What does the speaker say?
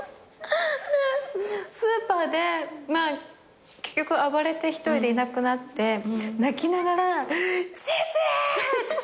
スーパーで結局暴れて１人でいなくなって泣きながら父ー！って。